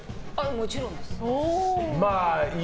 もちろんです。